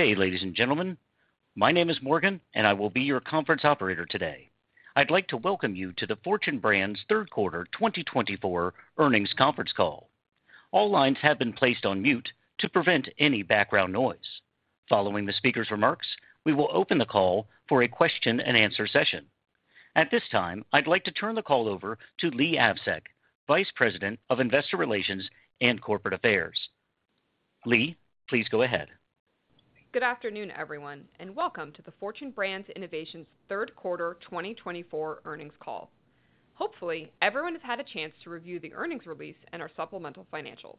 Good day, ladies and gentlemen. My name is Morgan, and I will be your conference operator today. I'd like to welcome you to the Fortune Brands Third Quarter 2024 earnings conference call. All lines have been placed on mute to prevent any background noise. Following the speaker's remarks, we will open the call for a question-and-answer session. At this time, I'd like to turn the call over to Leigh Avsec, Vice President of Investor Relations and Corporate Affairs. Leigh, please go ahead. Good afternoon, everyone, and welcome to the Fortune Brands Innovations Third Quarter 2024 earnings call. Hopefully, everyone has had a chance to review the earnings release and our supplemental financials.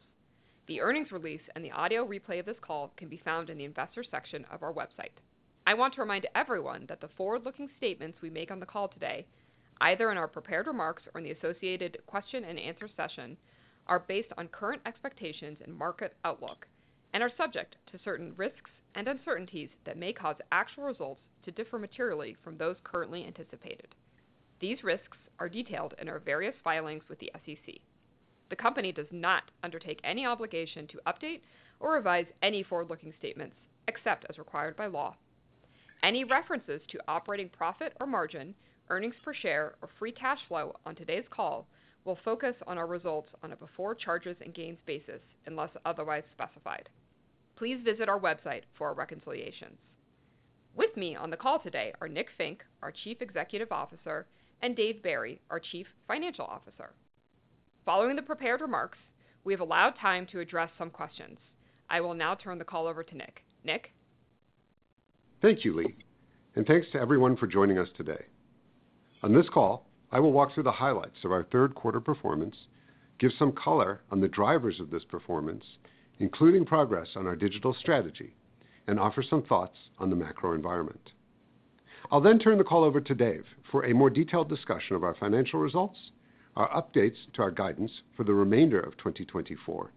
The earnings release and the audio replay of this call can be found in the investor section of our website. I want to remind everyone that the forward-looking statements we make on the call today, either in our prepared remarks or in the associated question-and-answer session, are based on current expectations and market outlook and are subject to certain risks and uncertainties that may cause actual results to differ materially from those currently anticipated. These risks are detailed in our various filings with the SEC. The company does not undertake any obligation to update or revise any forward-looking statements except as required by law. Any references to operating profit or margin, earnings per share, or free cash flow on today's call will focus on our results on a before charges and gains basis unless otherwise specified. Please visit our website for our reconciliations. With me on the call today are Nick Fink, our Chief Executive Officer, and Dave Barry, our Chief Financial Officer. Following the prepared remarks, we have allowed time to address some questions. I will now turn the call over to Nick. Nick? Thank you, Leigh, and thanks to everyone for joining us today. On this call, I will walk through the highlights of our third quarter performance, give some color on the drivers of this performance, including progress on our digital strategy, and offer some thoughts on the macro environment. I'll then turn the call over to Dave for a more detailed discussion of our financial results, our updates to our guidance for the remainder of 2024,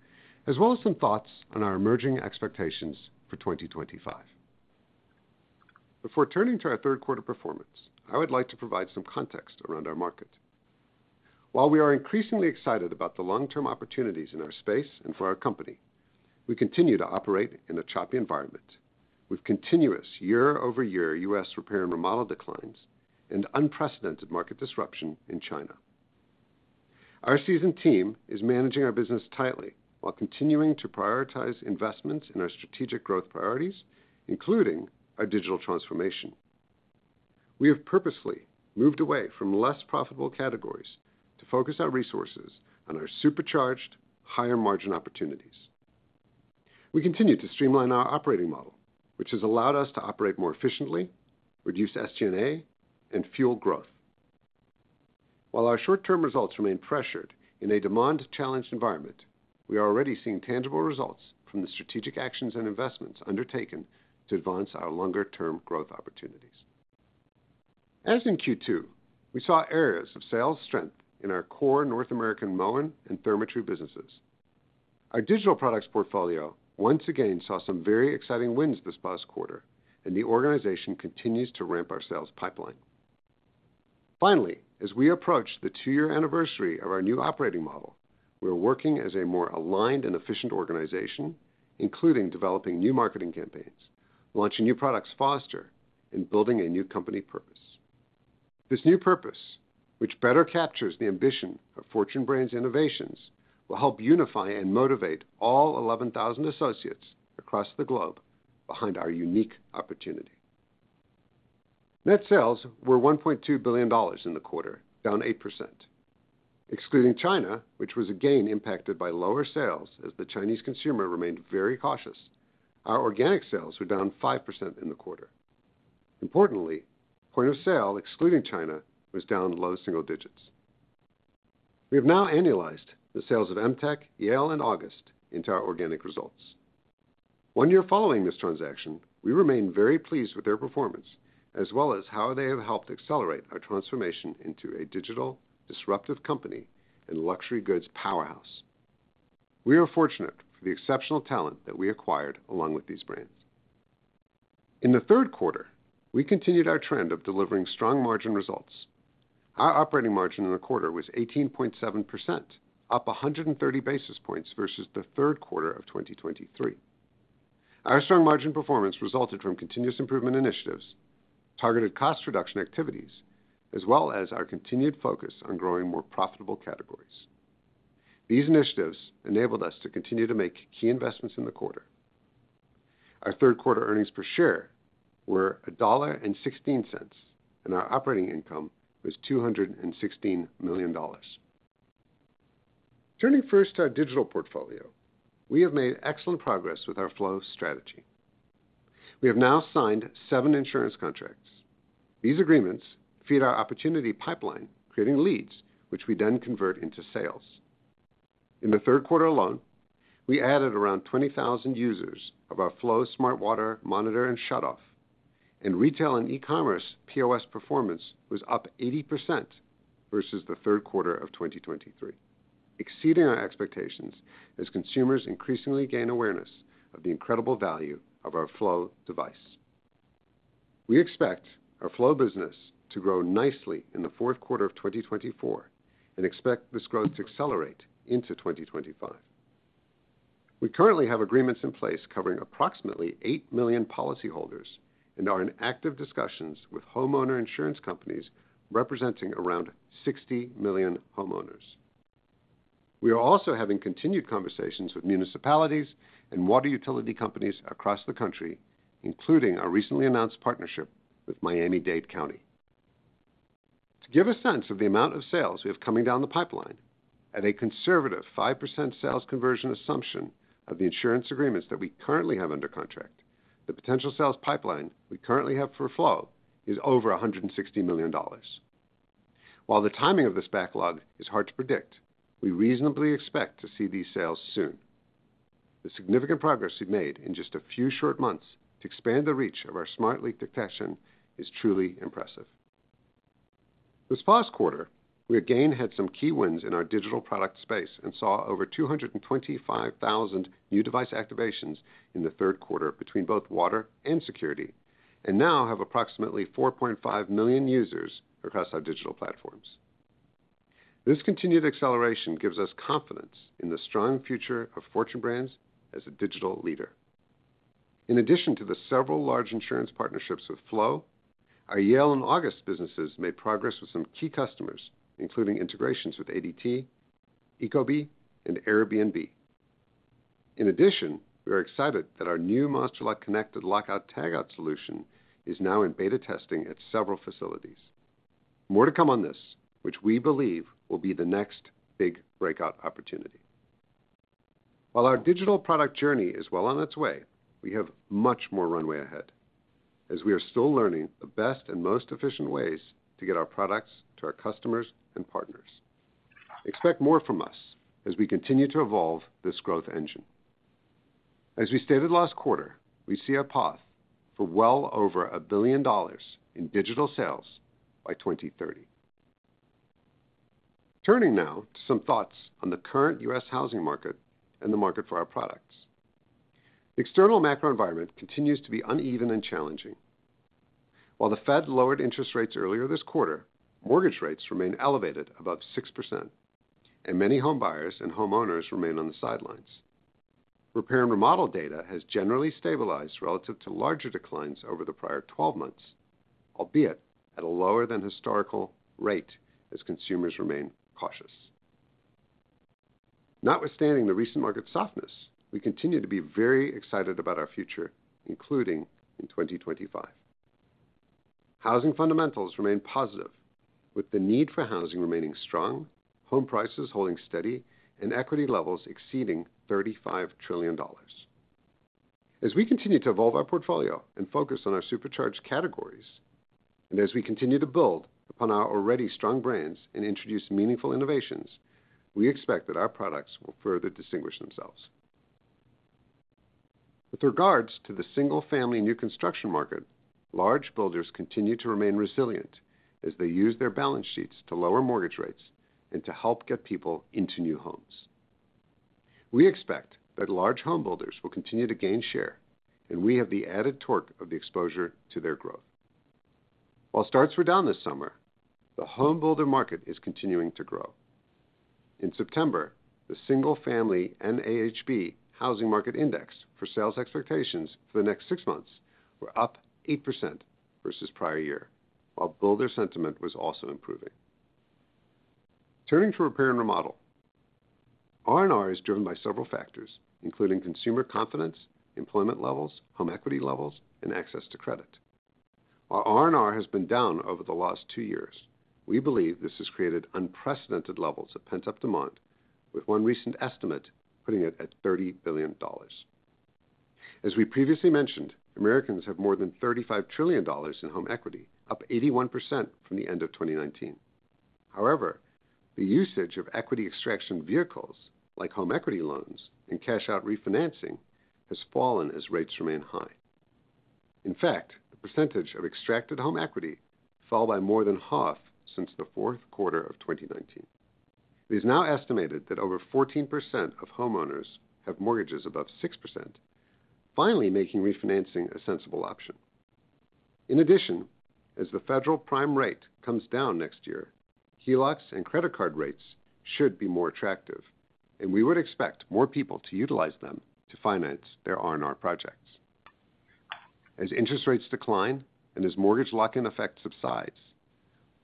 as well as some thoughts on our emerging expectations for 2025. Before turning to our third quarter performance, I would like to provide some context around our market. While we are increasingly excited about the long-term opportunities in our space and for our company, we continue to operate in a choppy environment with continuous year-over-year U.S. repair and remodel declines and unprecedented market disruption in China. Our seasoned team is managing our business tightly while continuing to prioritize investments in our strategic growth priorities, including our digital transformation. We have purposely moved away from less profitable categories to focus our resources on our supercharged, higher-margin opportunities. We continue to streamline our operating model, which has allowed us to operate more efficiently, reduce SG&A, and fuel growth. While our short-term results remain pressured in a demand-challenged environment, we are already seeing tangible results from the strategic actions and investments undertaken to advance our longer-term growth opportunities. As in Q2, we saw areas of sales strength in our core North American Moen and Therma-Tru businesses. Our digital products portfolio once again saw some very exciting wins this past quarter, and the organization continues to ramp our sales pipeline. Finally, as we approach the two-year anniversary of our new operating model, we are working as a more aligned and efficient organization, including developing new marketing campaigns, launching new products faster, and building a new company purpose. This new purpose, which better captures the ambition of Fortune Brands Innovations, will help unify and motivate all 11,000 associates across the globe behind our unique opportunity. Net sales were $1.2 billion in the quarter, down 8%. Excluding China, which was again impacted by lower sales as the Chinese consumer remained very cautious, our organic sales were down 5% in the quarter. Importantly, point of sale, excluding China, was down low single digits. We have now annualized the sales of Emtek, Yale, and August into our organic results. One year following this transaction, we remain very pleased with their performance, as well as how they have helped accelerate our transformation into a digital, disruptive company and luxury goods powerhouse. We are fortunate for the exceptional talent that we acquired along with these brands. In the third quarter, we continued our trend of delivering strong margin results. Our operating margin in the quarter was 18.7%, up 130 basis points versus the third quarter of 2023. Our strong margin performance resulted from continuous improvement initiatives, targeted cost reduction activities, as well as our continued focus on growing more profitable categories. These initiatives enabled us to continue to make key investments in the quarter. Our third quarter earnings per share were $1.16, and our operating income was $216 million. Turning first to our digital portfolio, we have made excellent progress with our Flo strategy. We have now signed seven insurance contracts. These agreements feed our opportunity pipeline, creating leads, which we then convert into sales. In the third quarter alone, we added around 20,000 users of our Flo Smart Water Monitor and Shutoff, and retail and e-commerce POS performance was up 80% versus the third quarter of 2023, exceeding our expectations as consumers increasingly gain awareness of the incredible value of our Flo device. We expect our Flo business to grow nicely in the fourth quarter of 2024 and expect this growth to accelerate into 2025. We currently have agreements in place covering approximately 8 million policyholders and are in active discussions with homeowner insurance companies representing around 60 million homeowners. We are also having continued conversations with municipalities and water utility companies across the country, including our recently announced partnership with Miami-Dade County. To give a sense of the amount of sales we have coming down the pipeline, at a conservative 5% sales conversion assumption of the insurance agreements that we currently have under contract, the potential sales pipeline we currently have for Flo is over $160 million. While the timing of this backlog is hard to predict, we reasonably expect to see these sales soon. The significant progress we've made in just a few short months to expand the reach of our smart leak detection is truly impressive. This past quarter, we again had some key wins in our digital product space and saw over 225,000 new device activations in the third quarter between both Water and Security, and now have approximately 4.5 million users across our digital platforms. This continued acceleration gives us confidence in the strong future of Fortune Brands as a digital leader. In addition to the several large insurance partnerships with Flo, our Yale and August businesses made progress with some key customers, including integrations with ADT, Ecobee, and Airbnb. In addition, we are excited that our new Master Lock Connected Lockout Tagout solution is now in beta testing at several facilities. More to come on this, which we believe will be the next big breakout opportunity. While our digital product journey is well on its way, we have much more runway ahead as we are still learning the best and most efficient ways to get our products to our customers and partners. Expect more from us as we continue to evolve this growth engine. As we stated last quarter, we see a path for well over $1 billion in digital sales by 2030. Turning now to some thoughts on the current U.S. housing market and the market for our products. The external macro environment continues to be uneven and challenging. While the Fed lowered interest rates earlier this quarter, mortgage rates remain elevated above 6%, and many home buyers and homeowners remain on the sidelines. Repair and remodel data has generally stabilized relative to larger declines over the prior 12 months, albeit at a lower than historical rate as consumers remain cautious. Notwithstanding the recent market softness, we continue to be very excited about our future, including in 2025. Housing fundamentals remain positive, with the need for housing remaining strong, home prices holding steady, and equity levels exceeding $35 trillion. As we continue to evolve our portfolio and focus on our supercharged categories, and as we continue to build upon our already strong brands and introduce meaningful innovations, we expect that our products will further distinguish themselves. With regards to the single-family new construction market, large builders continue to remain resilient as they use their balance sheets to lower mortgage rates and to help get people into new homes. We expect that large homebuilders will continue to gain share, and we have the added torque of the exposure to their growth. While starts were down this summer, the homebuilder market is continuing to grow. In September, the single-family NAHB Housing Market Index for sales expectations for the next six months were up 8% versus prior year, while builder sentiment was also improving. Turning to repair and remodel, R&R is driven by several factors, including consumer confidence, employment levels, home equity levels, and access to credit. While R&R has been down over the last two years, we believe this has created unprecedented levels of pent-up demand, with one recent estimate putting it at $30 billion. As we previously mentioned, Americans have more than $35 trillion in home equity, up 81% from the end of 2019. However, the usage of equity extraction vehicles like home equity loans and cash-out refinancing has fallen as rates remain high. In fact, the percentage of extracted home equity fell by more than half since the fourth quarter of 2019. It is now estimated that over 14% of homeowners have mortgages above 6%, finally making refinancing a sensible option. In addition, as the federal prime rate comes down next year, HELOCs and credit card rates should be more attractive, and we would expect more people to utilize them to finance their R&R projects. As interest rates decline and as mortgage lock-in effect subsides,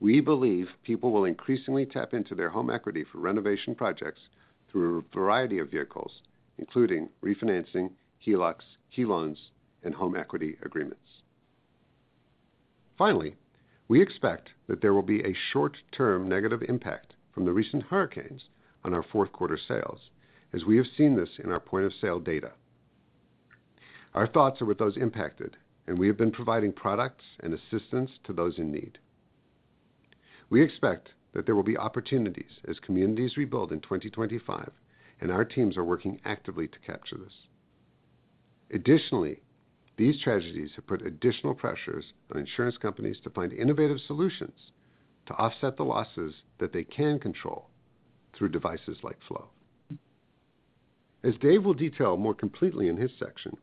we believe people will increasingly tap into their home equity for renovation projects through a variety of vehicles, including refinancing, HELOCs, HE loans, and home equity agreements. Finally, we expect that there will be a short-term negative impact from the recent hurricanes on our fourth quarter sales, as we have seen this in our point of sale data. Our thoughts are with those impacted, and we have been providing products and assistance to those in need. We expect that there will be opportunities as communities rebuild in 2025, and our teams are working actively to capture this. Additionally, these tragedies have put additional pressures on insurance companies to find innovative solutions to offset the losses that they can control through devices like Flo. As Dave will detail more completely in his section,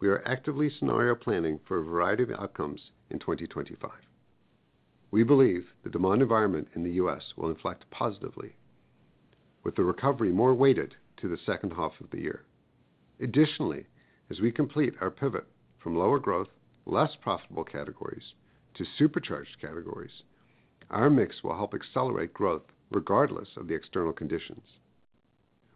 we are actively scenario planning for a variety of outcomes in 2025. We believe the demand environment in the U.S. will inflect positively, with the recovery more weighted to the second half of the year. Additionally, as we complete our pivot from lower growth, less profitable categories to supercharged categories, our mix will help accelerate growth regardless of the external conditions.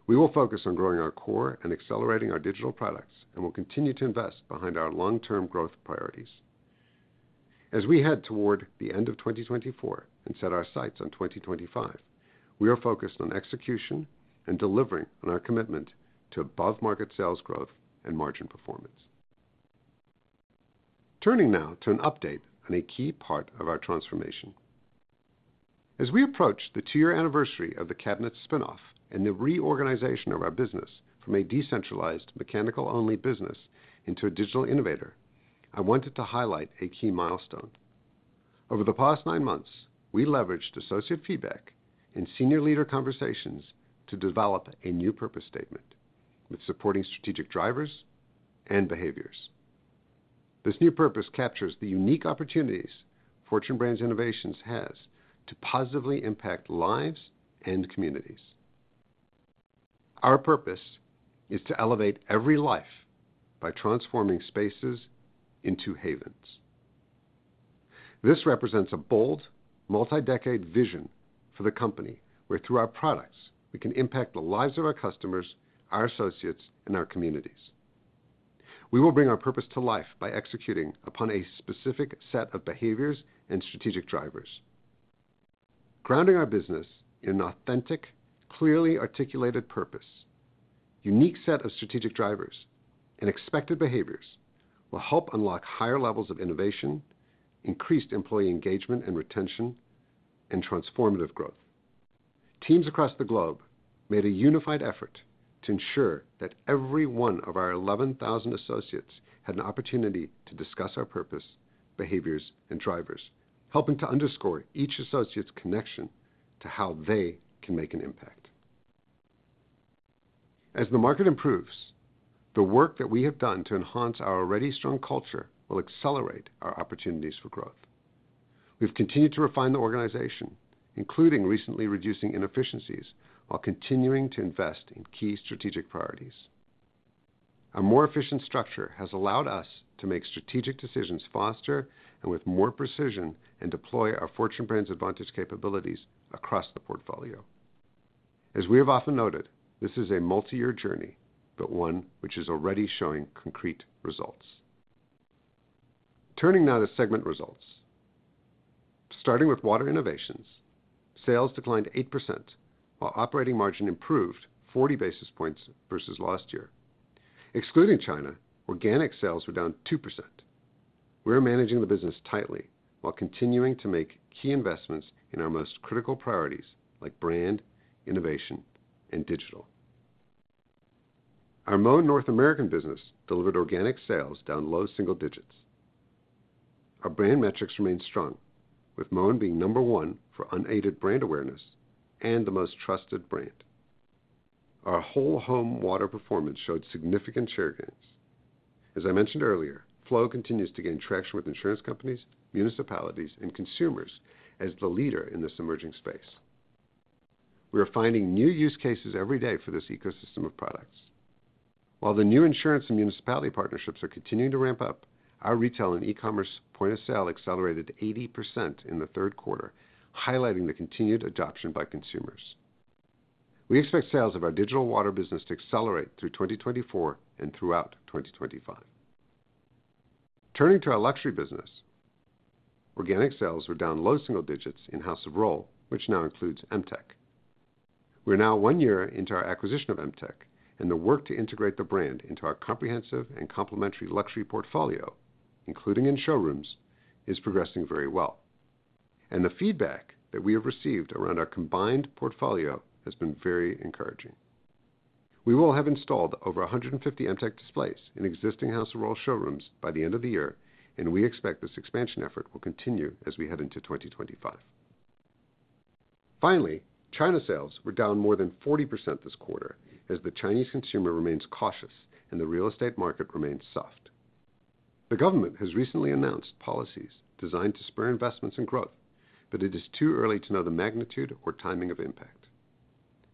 We will focus on growing our core and accelerating our digital products and will continue to invest behind our long-term growth priorities. As we head toward the end of 2024 and set our sights on 2025, we are focused on execution and delivering on our commitment to above-market sales growth and margin performance. Turning now to an update on a key part of our transformation. As we approach the two-year anniversary of the cabinets spinoff and the reorganization of our business from a decentralized mechanical-only business into a digital innovator, I wanted to highlight a key milestone. Over the past nine months, we leveraged associate feedback and senior leader conversations to develop a new purpose statement with supporting strategic drivers and behaviors. This new purpose captures the unique opportunities Fortune Brands Innovations has to positively impact lives and communities. Our purpose is to elevate every life by transforming spaces into havens. This represents a bold multi-decade vision for the company where, through our products, we can impact the lives of our customers, our associates, and our communities. We will bring our purpose to life by executing upon a specific set of behaviors and strategic drivers. Grounding our business in an authentic, clearly articulated purpose, unique set of strategic drivers, and expected behaviors will help unlock higher levels of innovation, increased employee engagement and retention, and transformative growth. Teams across the globe made a unified effort to ensure that every one of our 11,000 associates had an opportunity to discuss our purpose, behaviors, and drivers, helping to underscore each associate's connection to how they can make an impact. As the market improves, the work that we have done to enhance our already strong culture will accelerate our opportunities for growth. We've continued to refine the organization, including recently reducing inefficiencies while continuing to invest in key strategic priorities. Our more efficient structure has allowed us to make strategic decisions faster and with more precision and deploy our Fortune Brands Advantage capabilities across the portfolio. As we have often noted, this is a multi-year journey, but one which is already showing concrete results. Turning now to segment results. Starting with Water Innovations, sales declined 8% while operating margin improved 40 basis points versus last year. Excluding China, organic sales were down 2%. We are managing the business tightly while continuing to make key investments in our most critical priorities like brand, innovation, and digital. Our Moen North American business delivered organic sales down low single digits. Our brand metrics remain strong, with Moen being number one for unaided brand awareness and the most trusted brand. Our whole home water performance showed significant share gains. As I mentioned earlier, Flo continues to gain traction with insurance companies, municipalities, and consumers as the leader in this emerging space. We are finding new use cases every day for this ecosystem of products. While the new insurance and municipality partnerships are continuing to ramp up, our retail and e-commerce point of sale accelerated 80% in the third quarter, highlighting the continued adoption by consumers. We expect sales of our digital water business to accelerate through 2024 and throughout 2025. Turning to our luxury business, organic sales were down low single digits in House of Rohl, which now includes Emtek. We are now one year into our acquisition of Emtek, and the work to integrate the brand into our comprehensive and complementary luxury portfolio, including in showrooms, is progressing very well, and the feedback that we have received around our combined portfolio has been very encouraging. We will have installed over 150 Emtek displays in existing House of Rohl showrooms by the end of the year, and we expect this expansion effort will continue as we head into 2025. Finally, China sales were down more than 40% this quarter as the Chinese consumer remains cautious and the real estate market remains soft. The government has recently announced policies designed to spur investments and growth, but it is too early to know the magnitude or timing of impact.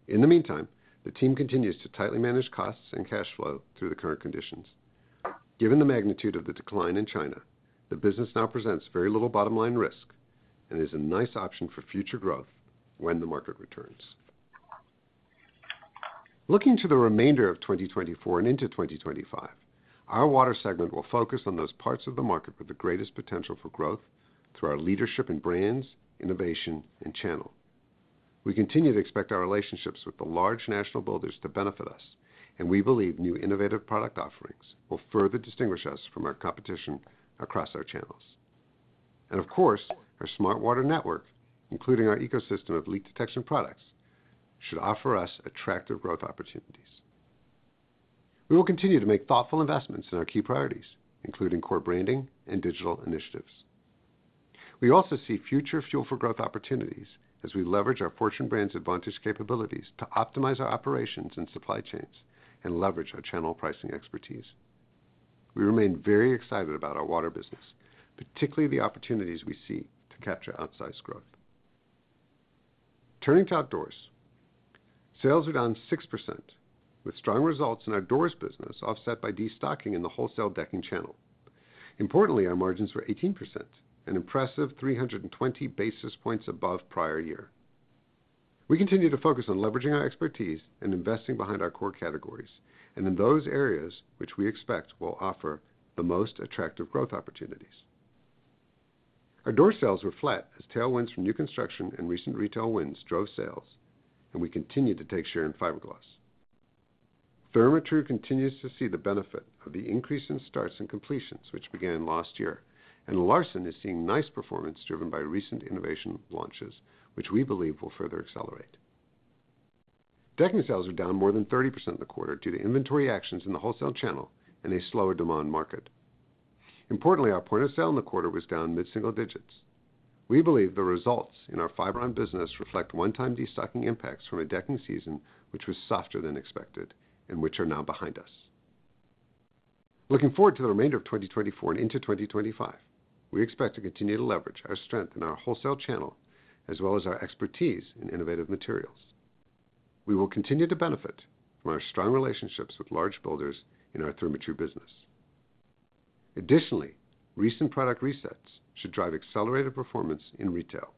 In the meantime, the team continues to tightly manage costs and cash flow through the current conditions. Given the magnitude of the decline in China, the business now presents very little bottom line risk and is a nice option for future growth when the market returns. Looking to the remainder of 2024 and into 2025, our Water segment will focus on those parts of the market with the greatest potential for growth through our leadership in brands, innovation, and channel. We continue to expect our relationships with the large national builders to benefit us, and we believe new innovative product offerings will further distinguish us from our competition across our channels, and of course, our smart water network, including our ecosystem of leak detection products, should offer us attractive growth opportunities. We will continue to make thoughtful investments in our key priorities, including core branding and digital initiatives. We also see future fuel for growth opportunities as we leverage our Fortune Brands Advantage capabilities to optimize our operations and supply chains and leverage our channel pricing expertise. We remain very excited about our Water business, particularly the opportunities we see to capture outsized growth. Turning to Outdoors, sales are down 6%, with strong results in Doors business offset by destocking in the wholesale decking channel. Importantly, our margins were 18%, an impressive 320 basis points above prior year. We continue to focus on leveraging our expertise and investing behind our core categories and in those areas which we expect will offer the most attractive growth opportunities. Our Doors sales were flat as tailwinds from new construction and recent retail wins drove sales, and we continue to take share in fiberglass. Therma-Tru continues to see the benefit of the increase in starts and completions which began last year, and Larson is seeing nice performance driven by recent innovation launches, which we believe will further accelerate. Decking sales are down more than 30% in the quarter due to inventory actions in the wholesale channel and a slower demand market. Importantly, our point of sale in the quarter was down mid-single digits. We believe the results in our Fiberon business reflect one-time destocking impacts from a decking season which was softer than expected and which are now behind us. Looking forward to the remainder of 2024 and into 2025, we expect to continue to leverage our strength in our wholesale channel as well as our expertise in innovative materials. We will continue to benefit from our strong relationships with large builders in our Therma-Tru business. Additionally, recent product resets should drive accelerated performance in retail.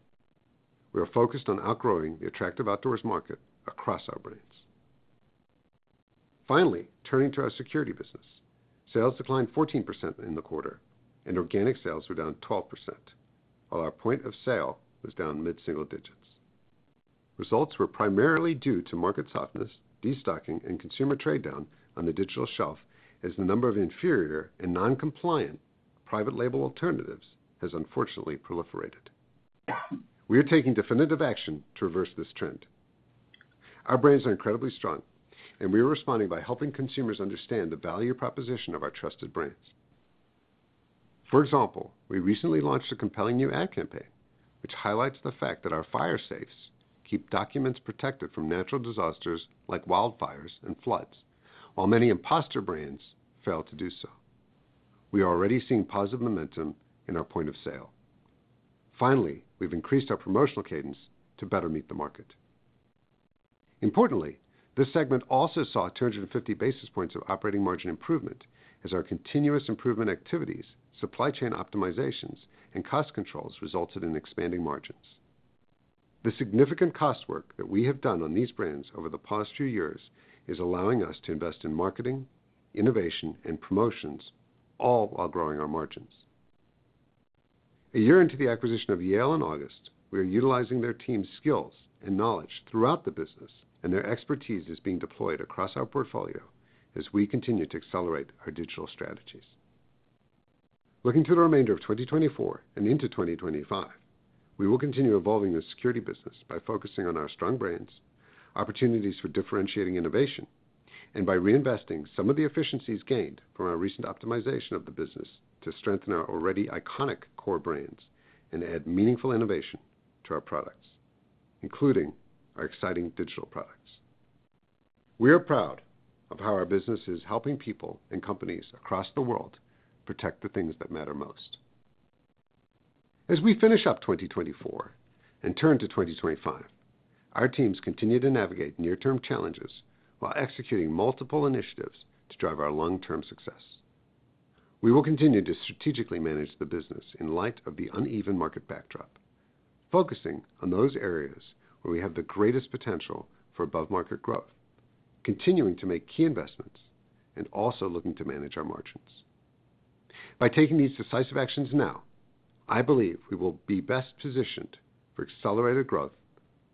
We are focused on outgrowing the attractive Outdoors market across our brands. Finally, turning to our Security business, sales declined 14% in the quarter and organic sales were down 12%, while our point of sale was down mid-single digits. Results were primarily due to market softness, destocking, and consumer trade down on the digital shelf as the number of inferior and non-compliant private label alternatives has unfortunately proliferated. We are taking definitive action to reverse this trend. Our brands are incredibly strong, and we are responding by helping consumers understand the value proposition of our trusted brands. For example, we recently launched a compelling new ad campaign which highlights the fact that our fire safes keep documents protected from natural disasters like wildfires and floods, while many imposter brands fail to do so. We are already seeing positive momentum in our point of sale. Finally, we've increased our promotional cadence to better meet the market. Importantly, this segment also saw 250 basis points of operating margin improvement as our continuous improvement activities, supply chain optimizations, and cost controls resulted in expanding margins. The significant cost work that we have done on these brands over the past few years is allowing us to invest in marketing, innovation, and promotions, all while growing our margins. A year into the acquisition of Yale and August, we are utilizing their team's skills and knowledge throughout the business, and their expertise is being deployed across our portfolio as we continue to accelerate our digital strategies. Looking to the remainder of 2024 and into 2025, we will continue evolving the Security business by focusing on our strong brands, opportunities for differentiating innovation, and by reinvesting some of the efficiencies gained from our recent optimization of the business to strengthen our already iconic core brands and add meaningful innovation to our products, including our exciting digital products. We are proud of how our business is helping people and companies across the world protect the things that matter most. As we finish up 2024 and turn to 2025, our teams continue to navigate near-term challenges while executing multiple initiatives to drive our long-term success. We will continue to strategically manage the business in light of the uneven market backdrop, focusing on those areas where we have the greatest potential for above-market growth, continuing to make key investments, and also looking to manage our margins. By taking these decisive actions now, I believe we will be best positioned for accelerated growth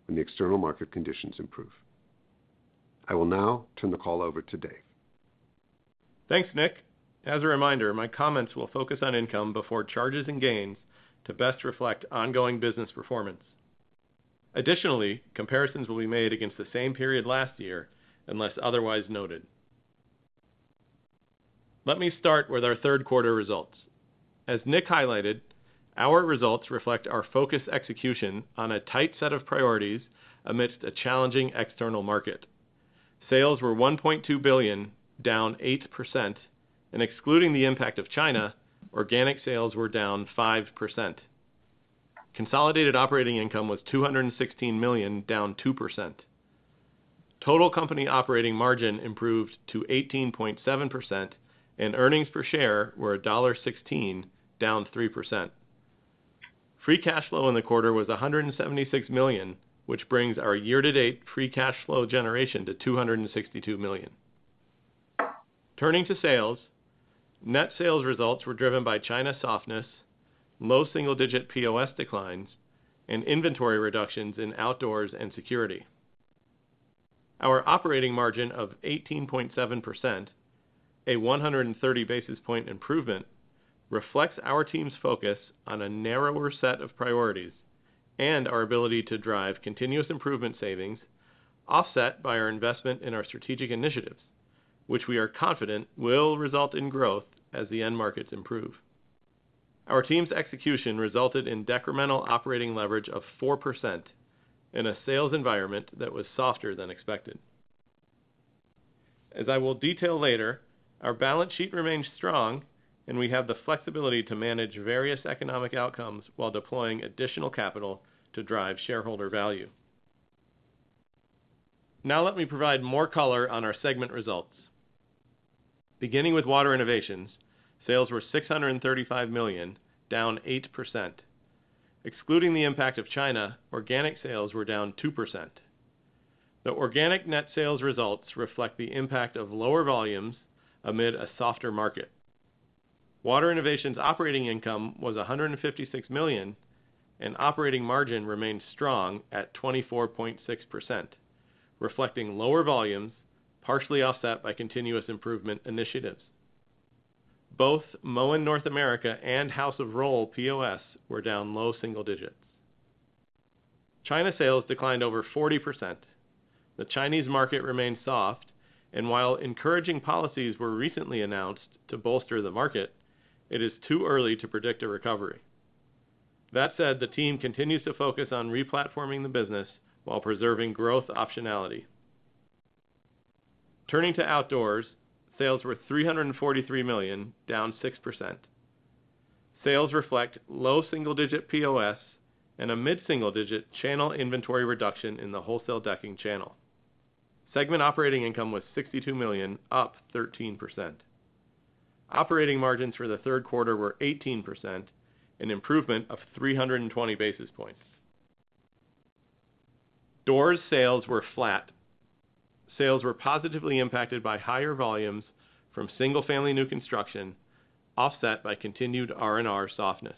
when the external market conditions improve. I will now turn the call over to Dave. Thanks, Nick. As a reminder, my comments will focus on income before charges and gains to best reflect ongoing business performance. Additionally, comparisons will be made against the same period last year unless otherwise noted. Let me start with our third quarter results. As Nick highlighted, our results reflect our focused execution on a tight set of priorities amidst a challenging external market. Sales were $1.2 billion, down 8%, and excluding the impact of China, organic sales were down 5%. Consolidated operating income was $216 million, down 2%. Total company operating margin improved to 18.7%, and earnings per share were $1.16, down 3%. Free cash flow in the quarter was $176 million, which brings our year-to-date free cash flow generation to $262 million. Turning to sales, net sales results were driven by China softness, low single-digit POS declines, and inventory reductions in Outdoors and Security. Our operating margin of 18.7%, a 130 basis point improvement, reflects our team's focus on a narrower set of priorities and our ability to drive continuous improvement savings offset by our investment in our strategic initiatives, which we are confident will result in growth as the end markets improve. Our team's execution resulted in decremental operating leverage of 4% in a sales environment that was softer than expected. As I will detail later, our balance sheet remains strong, and we have the flexibility to manage various economic outcomes while deploying additional capital to drive shareholder value. Now let me provide more color on our segment results. Beginning with Water Innovations, sales were $635 million, down 8%. Excluding the impact of China, organic sales were down 2%. The organic net sales results reflect the impact of lower volumes amid a softer market. Water Innovations operating income was $156 million, and operating margin remained strong at 24.6%, reflecting lower volumes partially offset by continuous improvement initiatives. Both Moen North America and House of Rohl POS were down low single digits. China sales declined over 40%. The Chinese market remained soft, and while encouraging policies were recently announced to bolster the market, it is too early to predict a recovery. That said, the team continues to focus on replatforming the business while preserving growth optionality. Turning to Outdoors, sales were $343 million, down 6%. Sales reflect low single-digit POS and a mid-single digit channel inventory reduction in the wholesale decking channel. Segment operating income was $62 million, up 13%. Operating margins for the third quarter were 18%, an improvement of 320 basis points. Doors sales were flat. Sales were positively impacted by higher volumes from single-family new construction offset by continued R&R softness.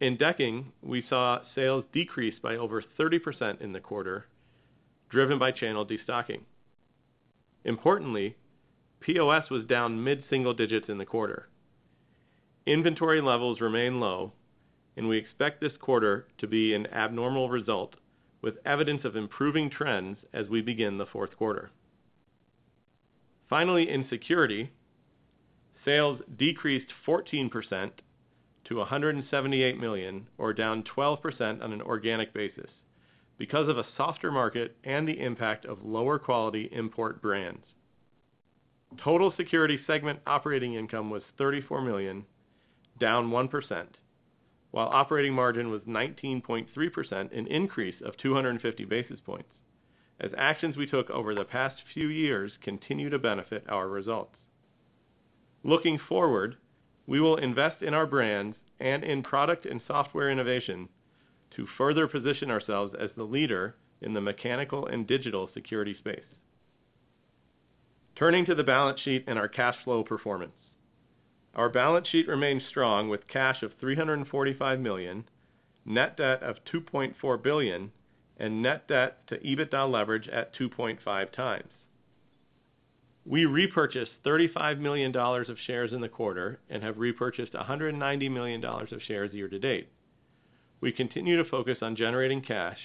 In decking, we saw sales decrease by over 30% in the quarter, driven by channel destocking. Importantly, POS was down mid-single digits in the quarter. Inventory levels remain low, and we expect this quarter to be an abnormal result with evidence of improving trends as we begin the fourth quarter. Finally, in Security, sales decreased 14% to $178 million, or down 12% on an organic basis because of a softer market and the impact of lower quality import brands. Total Security segment operating income was $34 million, down 1%, while operating margin was 19.3%, an increase of 250 basis points as actions we took over the past few years continue to benefit our results. Looking forward, we will invest in our brands and in product and software innovation to further position ourselves as the leader in the mechanical and digital security space. Turning to the balance sheet and our cash flow performance, our balance sheet remains strong with cash of $345 million, net debt of $2.4 billion, and net debt to EBITDA leverage at 2.5 times. We repurchased $35 million of shares in the quarter and have repurchased $190 million of shares year-to-date. We continue to focus on generating cash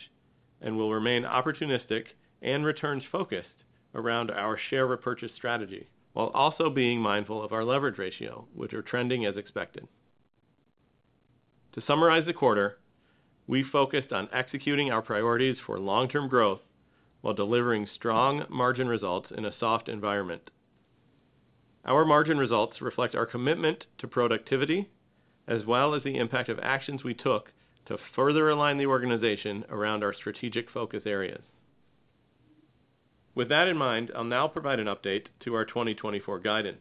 and will remain opportunistic and returns-focused around our share repurchase strategy, while also being mindful of our leverage ratio, which are trending as expected. To summarize the quarter, we focused on executing our priorities for long-term growth while delivering strong margin results in a soft environment. Our margin results reflect our commitment to productivity as well as the impact of actions we took to further align the organization around our strategic focus areas. With that in mind, I'll now provide an update to our 2024 guidance.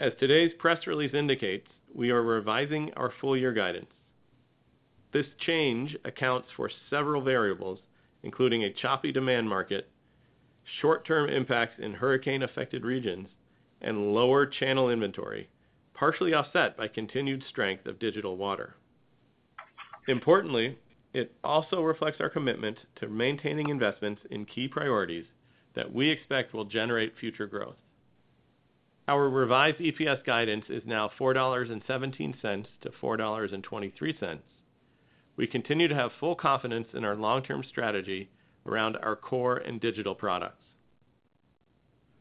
As today's press release indicates, we are revising our full-year guidance. This change accounts for several variables, including a choppy demand market, short-term impacts in hurricane-affected regions, and lower channel inventory, partially offset by continued strength of digital water. Importantly, it also reflects our commitment to maintaining investments in key priorities that we expect will generate future growth. Our revised EPS guidance is now $4.17-$4.23. We continue to have full confidence in our long-term strategy around our core and digital products.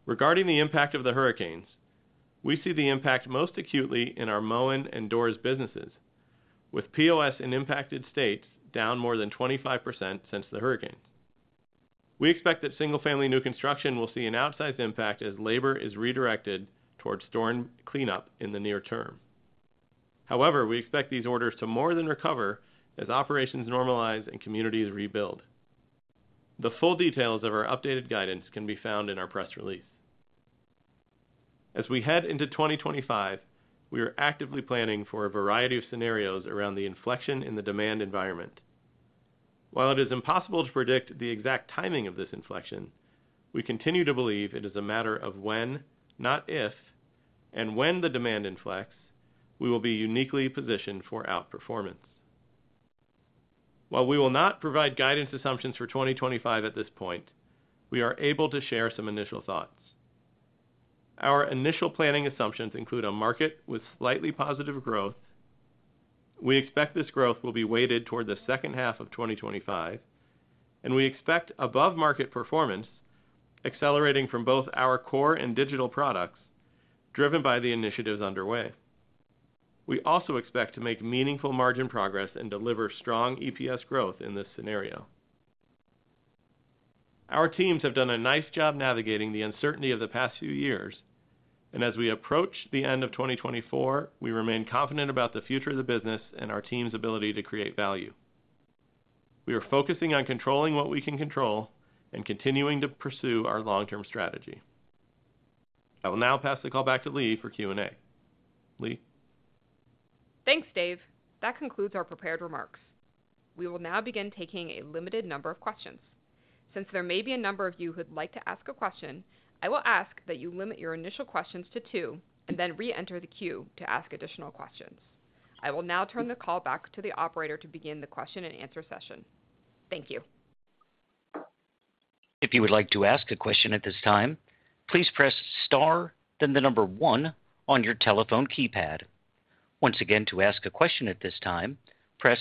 Regarding the impact of the hurricanes, we see the impact most acutely in our Moen and Doors businesses, with POS in impacted states down more than 25% since the hurricanes. We expect that single-family new construction will see an outsized impact as labor is redirected towards storm cleanup in the near term. However, we expect these orders to more than recover as operations normalize and communities rebuild. The full details of our updated guidance can be found in our press release. As we head into 2025, we are actively planning for a variety of scenarios around the inflection in the demand environment. While it is impossible to predict the exact timing of this inflection, we continue to believe it is a matter of when, not if, and when the demand inflects, we will be uniquely positioned for outperformance. While we will not provide guidance assumptions for 2025 at this point, we are able to share some initial thoughts. Our initial planning assumptions include a market with slightly positive growth. We expect this growth will be weighted toward the second half of 2025, and we expect above-market performance accelerating from both our core and digital products, driven by the initiatives underway. We also expect to make meaningful margin progress and deliver strong EPS growth in this scenario. Our teams have done a nice job navigating the uncertainty of the past few years, and as we approach the end of 2024, we remain confident about the future of the business and our team's ability to create value. We are focusing on controlling what we can control and continuing to pursue our long-term strategy. I will now pass the call back to Leigh for Q&A. Leigh. Thanks, Dave. That concludes our prepared remarks. We will now begin taking a limited number of questions. Since there may be a number of you who'd like to ask a question, I will ask that you limit your initial questions to two and then re-enter the queue to ask additional questions. I will now turn the call back to the operator to begin the question-and-answer session. Thank you. If you would like to ask a question at this time, please press star, then the number one on your telephone keypad. Once again, to ask a question at this time, press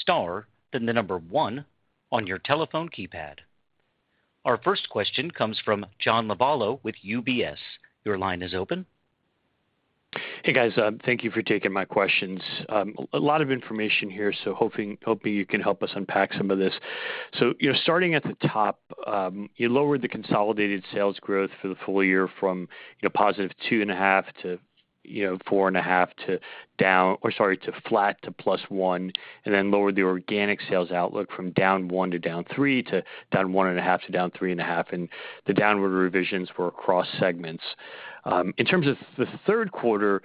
star, then the number one on your telephone keypad. Our first question comes from John Lovallo with UBS. Your line is open. Hey, guys. Thank you for taking my questions. A lot of information here, so hoping you can help us unpack some of this. So starting at the top, you lowered the consolidated sales growth for the full year from +2.5 to 4.5 to down or, sorry, to flat to +1, and then lowered the organic sales outlook from -1 to -3 to -1.5 to -3.5. And the downward revisions were across segments. In terms of the third quarter,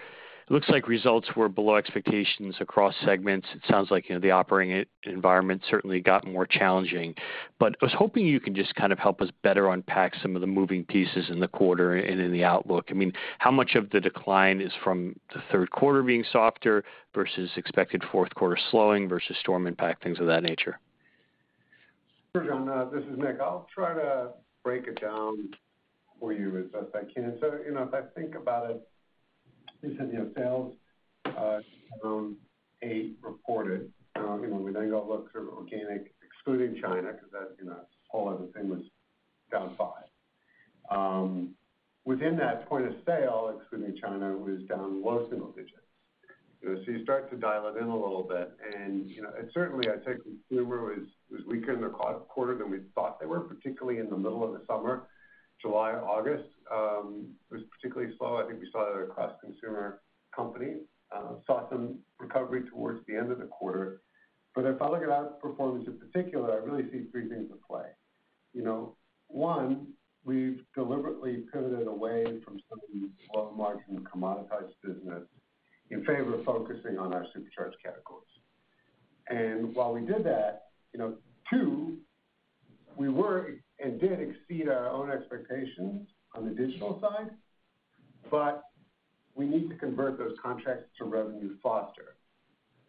it looks like results were below expectations across segments. It sounds like the operating environment certainly got more challenging. But I was hoping you can just kind of help us better unpack some of the moving pieces in the quarter and in the outlook. I mean, how much of the decline is from the third quarter being softer versus expected fourth quarter slowing versus storm impact, things of that nature? Sure, John. This is Nick. I'll try to break it down for you as best I can. So if I think about it, you said sales down 8% reported. We then go look through organic, excluding China, because that whole other thing was down 5%. Within that point of sale, excluding China, it was down low single digits. So you start to dial it in a little bit. And certainly, I'd say consumer was weaker in the quarter than we thought they were, particularly in the middle of the summer, July, August. It was particularly slow. I think we saw that across consumer companies. Saw some recovery towards the end of the quarter. But if I look at outperformance in particular, I really see three things at play. One, we've deliberately pivoted away from some low-margin commoditized business in favor of focusing on our supercharged categories. And while we did that, too, we were and did exceed our own expectations on the digital side, but we need to convert those contracts to revenue faster.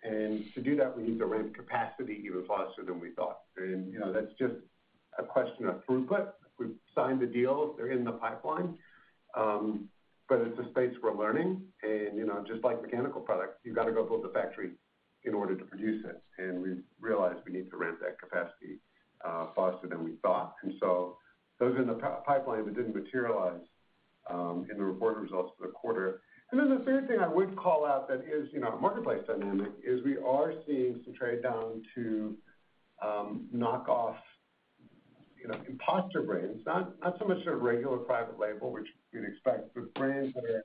And to do that, we need to ramp capacity even faster than we thought. And that's just a question of throughput. We've signed the deal. They're in the pipeline. But it's a space we're learning. And just like mechanical products, you've got to go build the factory in order to produce it. And we realized we need to ramp that capacity faster than we thought. And so those are in the pipeline, but didn't materialize in the reported results for the quarter. And then the third thing I would call out that is our marketplace dynamic is we are seeing some trade down to knockoff imposter brands, not so much sort of regular private label, which we'd expect, but brands that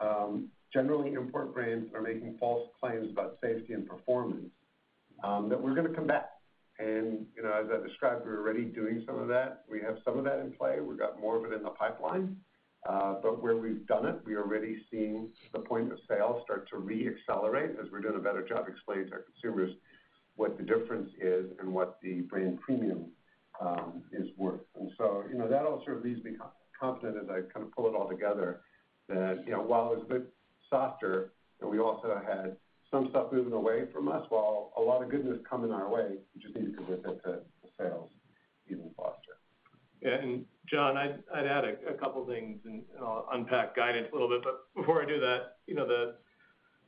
are generally import brands that are making false claims about safety and performance, that we're going to come back. And as I described, we're already doing some of that. We have some of that in play. We've got more of it in the pipeline. But where we've done it, we are already seeing the point of sale start to re-accelerate as we're doing a better job explaining to our consumers what the difference is and what the brand premium is worth. And so that all sort of leaves me confident as I kind of pull it all together that while it was a bit softer and we also had some stuff moving away from us, while a lot of goodness coming our way, we just need to convert that to sales even faster. Yeah. And John, I'd add a couple of things, and I'll unpack guidance a little bit. But before I do that,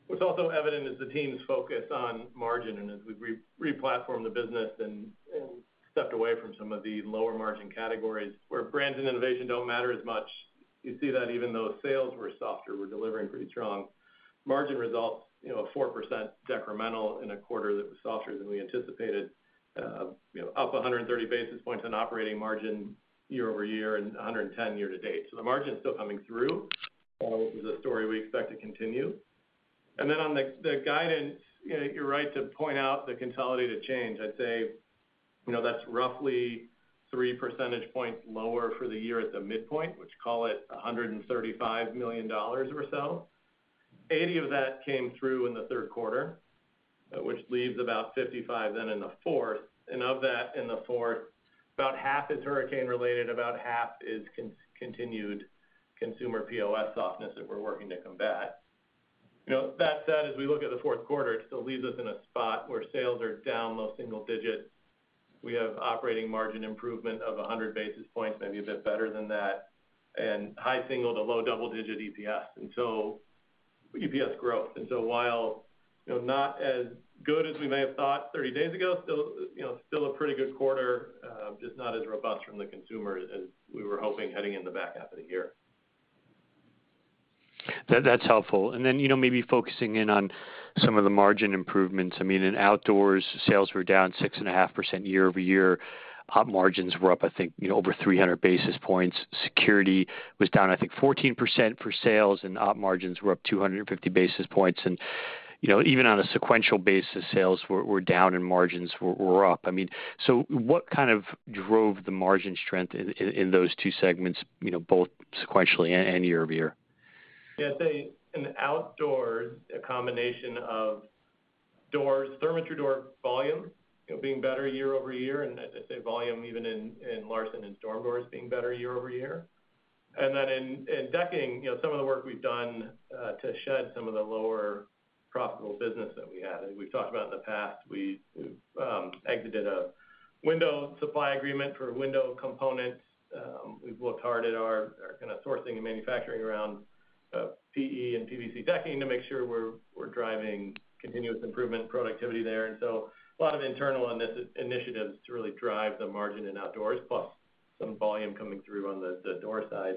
what's also evident is the team's focus on margin. And as we replatformed the business and stepped away from some of the lower-margin categories where brands and innovation don't matter as much, you see that even though sales were softer, we're delivering pretty strong margin results, a 4% decremental in a quarter that was softer than we anticipated, up 130 basis points on operating margin year-over-year and 110 year-to-date. So the margin is still coming through, which is a story we expect to continue. And then on the guidance, you're right to point out the consolidated change. I'd say that's roughly three percentage points lower for the year at the midpoint, which call it $135 million or so. 80 of that came through in the third quarter, which leaves about 55 then in the fourth. And of that in the fourth, about half is hurricane-related, about half is continued consumer POS softness that we're working to combat. That said, as we look at the fourth quarter, it still leaves us in a spot where sales are down low single digits. We have operating margin improvement of 100 basis points, maybe a bit better than that, and high single- to low double-digit EPS and so EPS growth. So while not as good as we may have thought 30 days ago, still a pretty good quarter, just not as robust from the consumer as we were hoping heading into the back half of the year. That's helpful. And then maybe focusing in on some of the margin improvements. I mean, in Outdoors, sales were down 6.5% year-over-year. Op margins were up, I think, over 300 basis points. Security was down, I think, 14% for sales, and op margins were up 250 basis points. And even on a sequential basis, sales were down and margins were up. I mean, so what kind of drove the margin strength in those two segments, both sequentially and year-over-year? Yeah. I'd say in Outdoors, a combination of doors, Therma-Tru door volume being better year-over-year, and I'd say volume, even in Larson and storm doors, being better year-over-year. And then, in decking, some of the work we've done to shed some of the lower profitable business that we had. We've talked about in the past. We've exited a window supply agreement for window components. We've worked hard at our kind of sourcing and manufacturing around PE and PVC decking to make sure we're driving continuous improvement productivity there. And so, a lot of internal initiatives to really drive the margin in Outdoors, plus some volume coming through on the door side.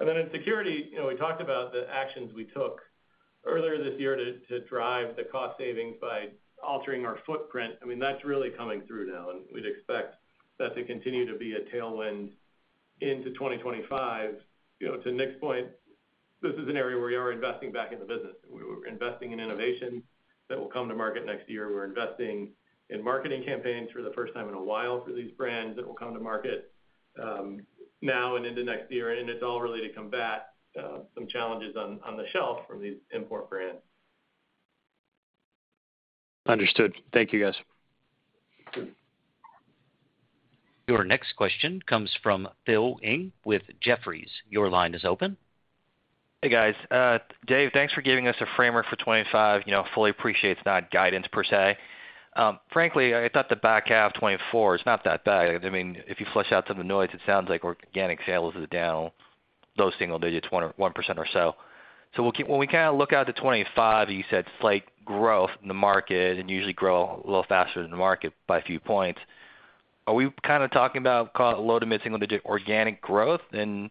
And then, in Security, we talked about the actions we took earlier this year to drive the cost savings by altering our footprint. I mean, that's really coming through now. And we'd expect that to continue to be a tailwind into 2025. To Nick's point, this is an area where we are investing back in the business. We're investing in innovation that will come to market next year. We're investing in marketing campaigns for the first time in a while for these brands that will come to market now and into next year. And it's all really to combat some challenges on the shelf from these import brands. Understood. Thank you, guys. Your next question comes from Phil Ng with Jefferies. Your line is open. Hey, guys. Dave, thanks for giving us a framework for 2025. Fully appreciate it's not guidance per se. Frankly, I thought the back half 2024 is not that bad. I mean, if you flush out some of the noise, it sounds like organic sales is down low single digits, 1% or so. So when we kind of look out to 2025, you said slight growth in the market and usually grow a little faster than the market by a few points. Are we kind of talking about low to mid-single-digit organic growth and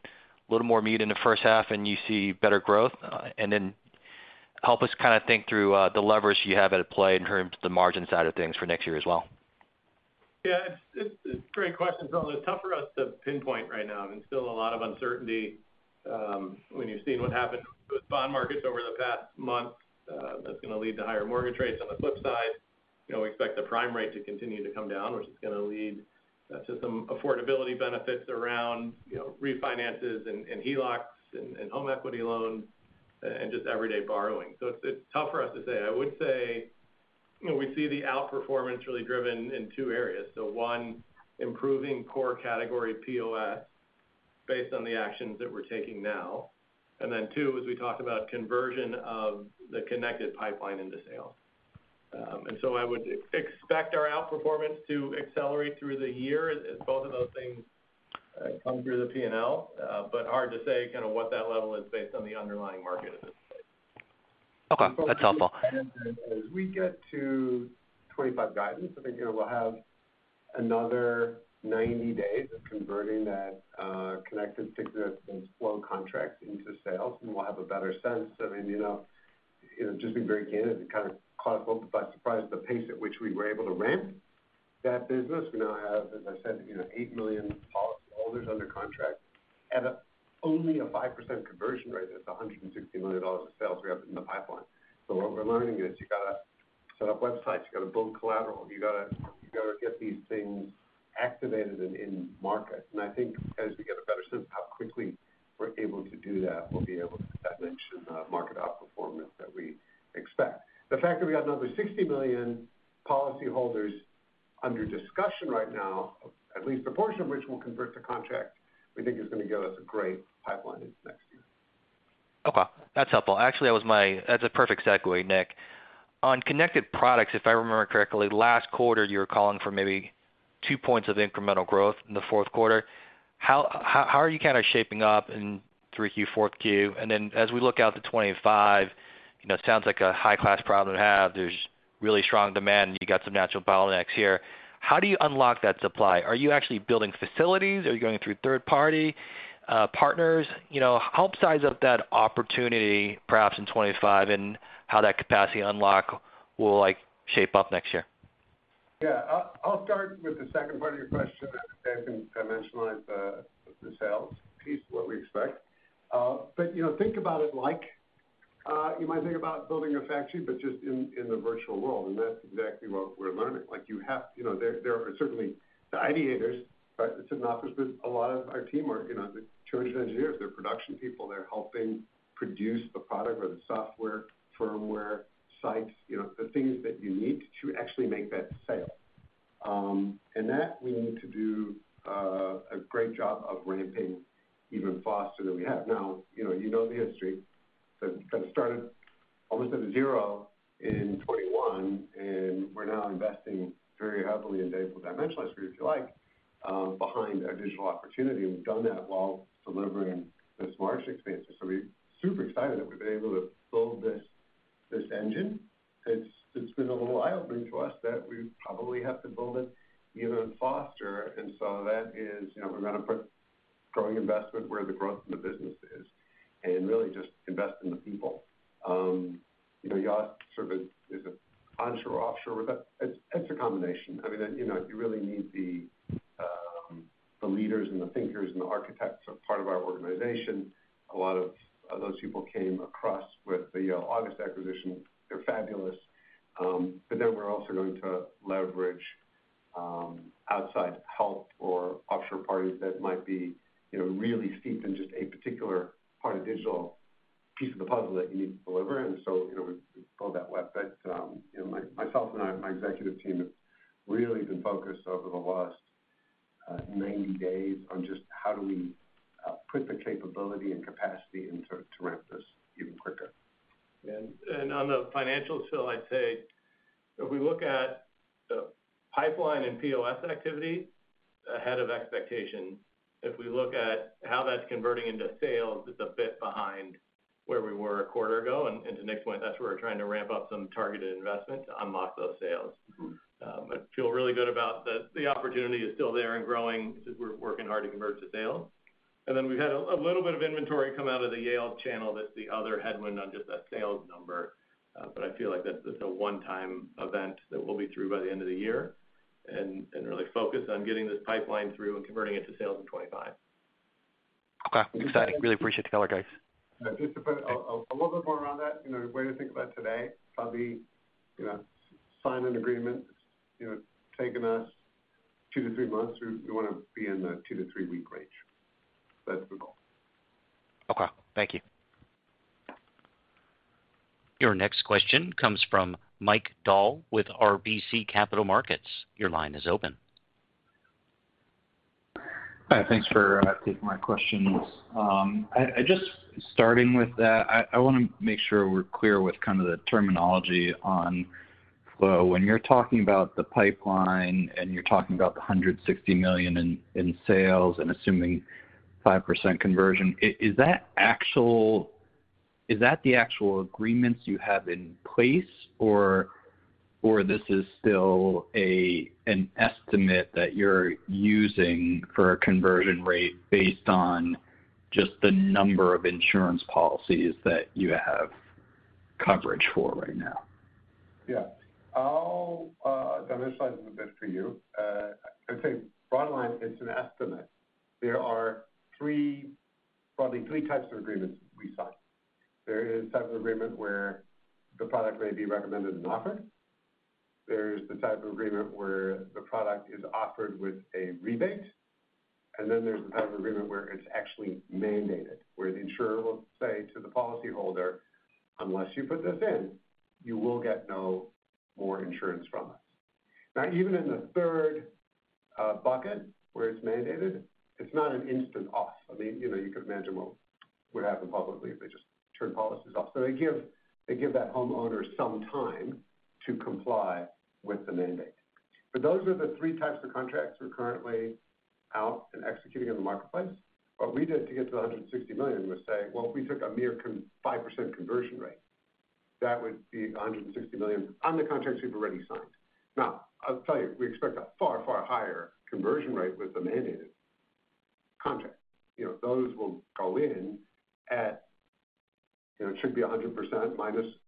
a little more meat in the first half, and you see better growth? And then help us kind of think through the leverage you have at play in terms of the margin side of things for next year as well. Yeah. It's great questions. Although it's tough for us to pinpoint right now. I mean, still a lot of uncertainty when you've seen what happened with bond markets over the past month that's going to lead to higher mortgage rates. On the flip side, we expect the prime rate to continue to come down, which is going to lead to some affordability benefits around refinances and HELOCs and home equity loans and just everyday borrowing. So it's tough for us to say. I would say we see the outperformance really driven in two areas. So, one, improving core category POS based on the actions that we're taking now. And then, two, as we talked about, conversion of the connected pipeline into sales. And so, I would expect our outperformance to accelerate through the year. Both of those things come through the P&L, but it's hard to say kind of what that level is based on the underlying market at this point. Okay. That's helpful. As we get to 2025 guidance, I think we'll have another 90 days of converting that connected stickiness and Flo contracts into sales, and we'll have a better sense. I mean, just being very candid, it kind of caught us a little bit by surprise, the pace at which we were able to ramp that business. We now have, as I said, 8 million policyholders under contract at only a 5% conversion rate at the $160 million of sales we have in the pipeline. So what we're learning is you've got to set up websites. You've got to build collateral. You've got to get these things activated in market. And I think as we get a better sense of how quickly we're able to do that, we'll be able to dimension the market outperformance that we expect. The fact that we got another 60 million policyholders under discussion right now, at least a portion of which will convert to contract, we think is going to give us a great pipeline into next year. Okay. That's helpful. Actually, that's a perfect segue, Nick. On connected products, if I remember correctly, last quarter, you were calling for maybe two points of incremental growth in the fourth quarter. How are you kind of shaping up in 3Q, 4Q? And then as we look out to 2025, it sounds like a high-class problem to have. There's really strong demand. You got some natural bottlenecks here. How do you unlock that supply? Are you actually building facilities? Are you going through third-party partners? Help size up that opportunity perhaps in 2025 and how that capacity unlock will shape up next year. Yeah. I'll start with the second part of your question. I think I mentioned the sales piece, what we expect. But think about it like you might think about building a factory, but just in the virtual world. And that's exactly what we're learning. You have to. There are certainly the ideators, but it's an office, but a lot of our team are the actual engineers. They're production people. They're helping produce the product or the software, firmware, sites, the things that you need to actually make that sale, and that we need to do a great job of ramping even faster than we have. Now, you know the history. It kind of started almost at zero in 2021, and we're now investing very heavily. We'll dimensionally scale, if you like, behind our digital opportunity. We've done that while delivering this margin expansion, sign an agreement. It's taken us two to three months. We want to be in the two to three-week range. That's the goal. Okay. Thank you. Your next question comes from Mike Dahl with RBC Capital Markets. Your line is open. Hi. Thanks for taking my questions. Just starting with that, I want to make sure we're clear with kind of the terminology on Flo. When you're talking about the pipeline and you're talking about the $160 million in sales and assuming 5% conversion, is that the actual agreements you have in place, or this is still an estimate that you're using for a conversion rate based on just the number of insurance policies that you have coverage for right now? Yeah. I'll dimensionize a little bit for you. I'd say broadly, it's an estimate. There are probably three types of agreements we sign. There is a type of agreement where the product may be recommended and offered. There's the type of agreement where the product is offered with a rebate. And then there's the type of agreement where it's actually mandated, where the insurer will say to the policyholder, "Unless you put this in, you will get no more insurance from us." Now, even in the third bucket, where it's mandated, it's not an instant off. I mean, you could imagine what would happen publicly if they just turned policies off. So they give that homeowner some time to comply with the mandate. But those are the three types of contracts we're currently out and executing in the marketplace. What we did to get to 160 million was say, "Well, if we took a mere 5% conversion rate, that would be 160 million on the contracts we've already signed." Now, I'll tell you, we expect a far, far higher conversion rate with the mandated contract. Those will go in at it should be 100%-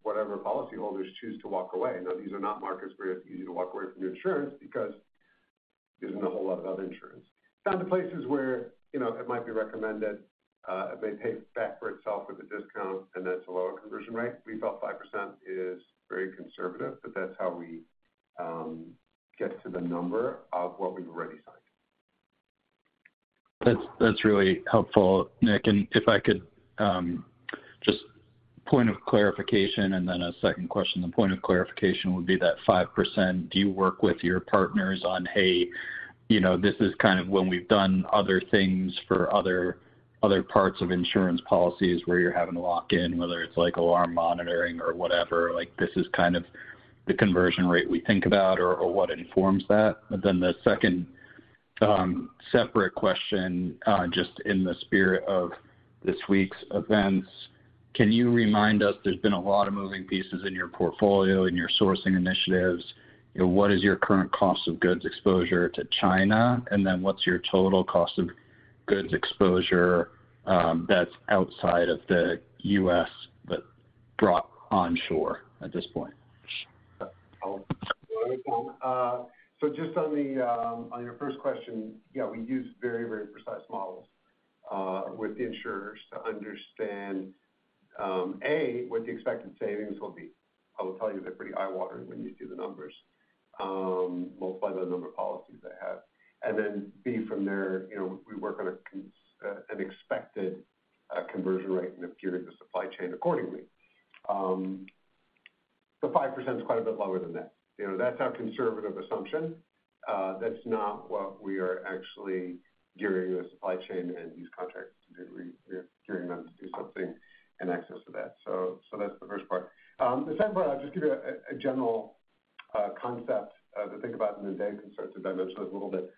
whatever policyholders choose to walk away. Now, these are not markets where it's easy to walk away from your insurance because there's not a whole lot of insurance. In the places where it might be recommended, it may pay back for itself with a discount, and that's a lower conversion rate. We felt 5% is very conservative, but that's how we get to the number of what we've already signed. That's really helpful, Nick. And if I could just a point of clarification and then a second question. The point of clarification would be that 5%, do you work with your partners on, "Hey, this is kind of when we've done other things for other parts of insurance policies where you're having to lock in, whether it's alarm monitoring or whatever"? This is kind of the conversion rate we think about or what informs that?" But then the second separate question, just in the spirit of this week's events, can you remind us there's been a lot of moving pieces in your portfolio and your sourcing initiatives? What is your current cost of goods exposure to China? And then what's your total cost of goods exposure that's outside of the U.S. but brought onshore at this point? So just on your first question, yeah, we use very, very precise models with the insurers to understand, A, what the expected savings will be. I will tell you they're pretty eye-watering when you see the numbers, multiply by the number of policies they have. And then B, from there, we work on an expected conversion rate and the period of supply chain accordingly. The 5% is quite a bit lower than that. That's our conservative assumption. That's not what we are actually gearing the supply chain and these contracts to do. We're gearing them to do something in excess of that. So that's the first part. The second part, I'll just give you a general concept to think about and then Dave can start to dimension a little bit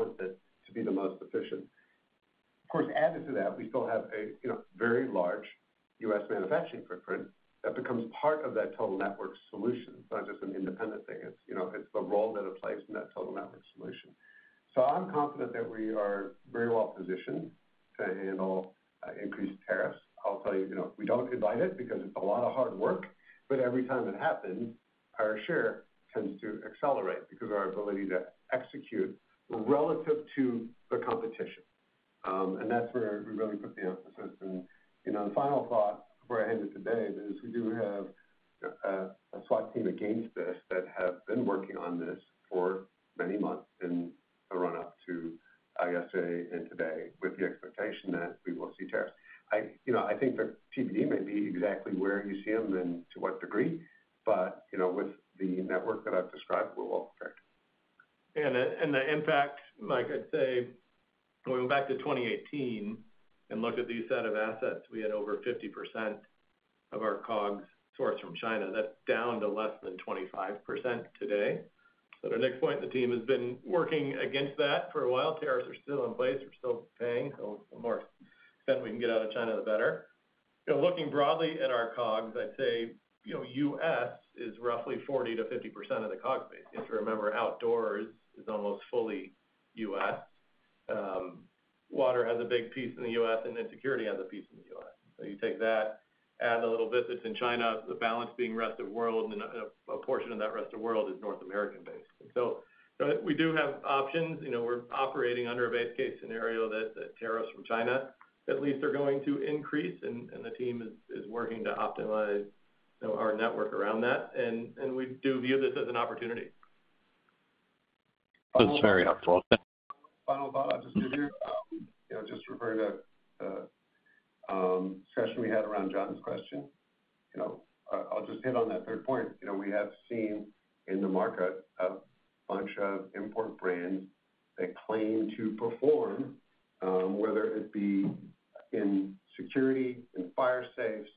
the sourcing piece. But is almost fully U.S. Water has a big piece in the U.S., and Security has a piece in the U.S. So you take that, add a little bit. It's in China. The balance being rest of world, and a portion of that rest of world is North American based. And so we do have options. We're operating under a base case scenario that tariffs from China, at least, are going to increase, and the team is working to optimize our network around that. And we do view this as an opportunity. That's very helpful. Final thought I'll just give here, just referring to the discussion we had around John's question. I'll just hit on that third point. We have seen in the market a bunch of import brands that claim to perform, whether it be in Security, in fire safes,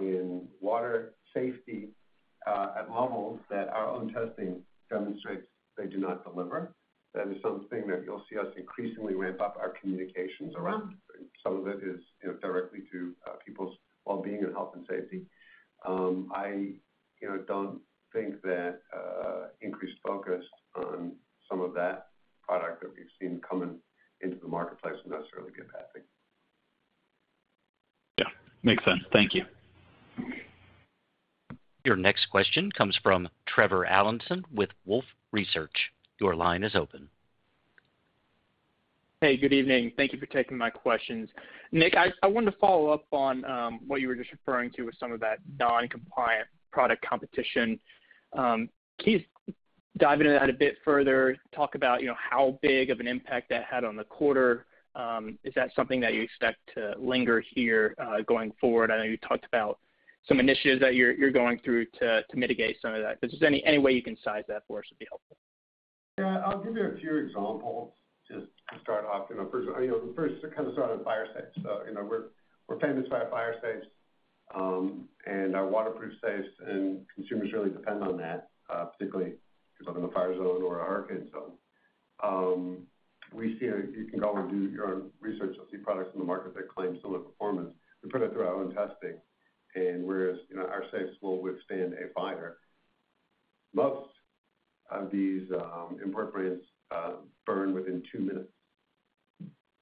in water safety, at levels that our own testing demonstrates they do not deliver. That is something that you'll see us increasingly ramp up our communications around. Some of it is directly to people's well-being and health and safety. I don't think that increased focus on some of that product that we've seen coming into the marketplace will necessarily get bad things. Yeah. Makes sense. Thank you. Your next question comes from Trevor Allinson with Wolfe Research. Your line is open. Hey, good evening. Thank you for taking my questions. Nick, I wanted to follow up on what you were just referring to with some of that non-compliant product competition. Can you dive into that a bit further, talk about how big of an impact that had on the quarter? Is that something that you expect to linger here going forward? I know you talked about some initiatives that you're going through to mitigate some of that. If there's any way you can size that for us, it would be helpful. Yeah. I'll give you a few examples just to start off. First, to kind of start on fire safe. So we're famous for fire safes and our waterproof safes, and consumers really depend on that, particularly if you're living in a fire zone or a hurricane zone. You can go and do your own research. You'll see products in the market that claim similar performance. We put it through our own testing, and whereas our safes will withstand a fire, most of these import brands burn within two minutes.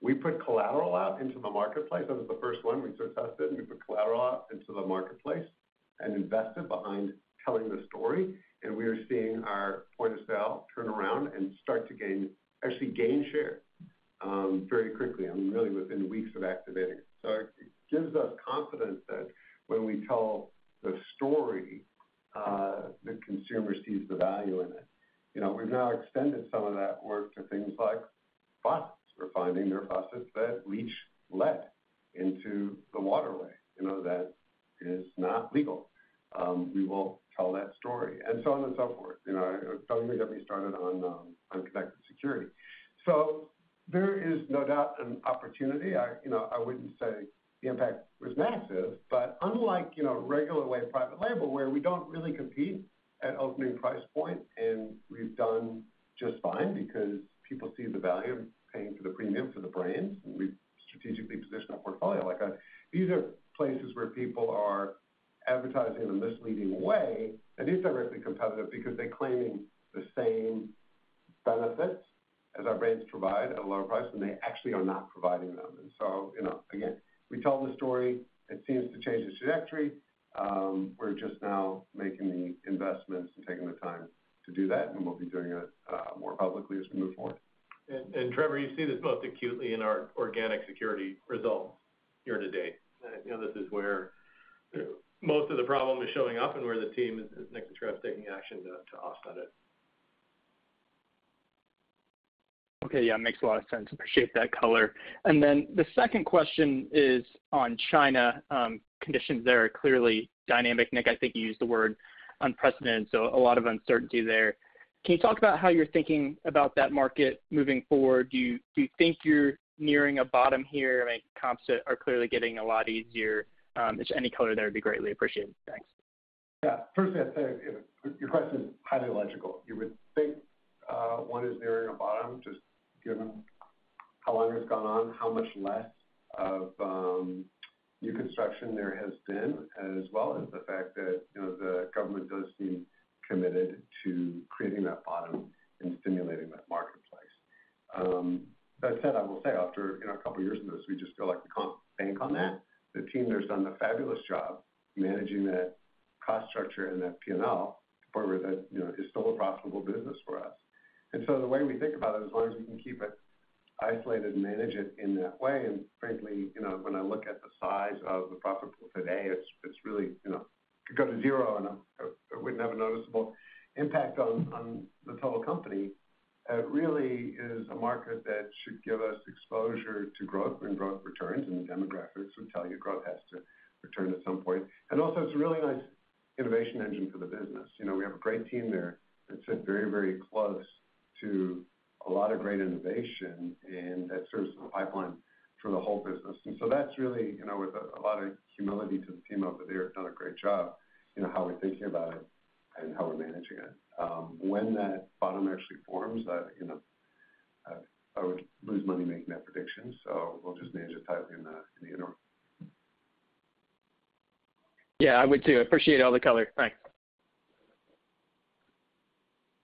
We put collateral out into the marketplace. That was the first one we sort of tested. We put collateral out into the marketplace and invested behind telling the story. And we are seeing our point of sale turn around and start to actually gain share very quickly, really within weeks of activating it. So it gives us confidence that when we tell the story, the consumer sees the value in it. We've now extended some of that work to things like faucets. We're finding there are faucets that leach lead into the waterway. That is not legal. We will tell that story. And so on and so forth. Don't even get me started on connected security. So there is no doubt an opportunity. I wouldn't say the impact was massive, but unlike regular way of private label, where we don't really compete at opening price point, and we've done just fine because people see the value in paying for the premium for the brands, and we've strategically positioned our portfolio. These are places where people are advertising in a misleading way that is directly competitive because they're claiming the same benefits as our brands provide at a lower price, and they actually are not providing them. And so, again, we tell the story. It seems to change the trajectory. We're just now making the investments and taking the time to do that, and we'll be doing it more publicly as we move forward. And Trevor, you see this both acutely in our organic Security results year to date. This is where most of the problem is showing up and where the team is next to try to take action to offset it. Okay. Yeah. Makes a lot of sense. Appreciate that color. And then the second question is on China. Conditions there are clearly dynamic. Nick, I think you used the word unprecedented, so a lot of uncertainty there. Can you talk about how you're thinking about that market moving forward? Do you think you're nearing a bottom here? I mean, comps are clearly getting a lot easier. If any color there, it'd be greatly appreciated. Thanks. Yeah. First, I'd say your question is highly logical. You would think one is nearing a bottom just given how long it's gone on, how much less of new construction there has been, as well as the fact that the government does seem committed to creating that bottom and stimulating that marketplace. That said, I will say after a couple of years of this, we just feel like we can't bank on that. The team there has done a fabulous job managing that cost structure and that P&L to the point where it's still a profitable business for us. And so the way we think about it, as long as we can keep it isolated and manage it in that way. And frankly, when I look at the size of the profitable business today, it really could go to zero, and it wouldn't have a noticeable impact on the total company. It really is a market that should give us exposure to growth when growth returns, and the demographics would tell you growth has to return at some point. And also, it's a really nice innovation engine for the business. We have a great team there that's very, very close to a lot of great innovation, and that serves as a pipeline for the whole business. And so that's really with a lot of humility to the team over there, done a great job how we're thinking about it and how we're managing it. When that bottom actually forms, I would lose money making that prediction, so we'll just manage it tightly in the interim. Yeah. I would too. Appreciate all the color. Thanks.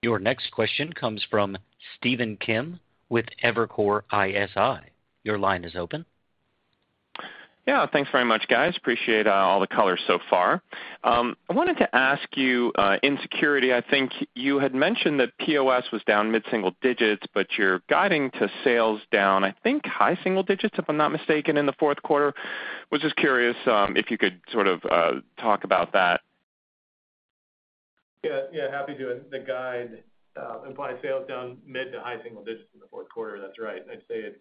Your next question comes from Stephen Kim with Evercore ISI. Your line is open. Yeah. Thanks very much, guys. Appreciate all the color so far. I wanted to ask you in Security. I think you had mentioned that POS was down mid-single digits, but you're guiding to sales down, I think, high single digits, if I'm not mistaken, in the fourth quarter. I was just curious if you could sort of talk about that. Yeah. Yeah. Happy to. The guide implies sales down mid to high single digits in the fourth quarter. That's right. I'd say it's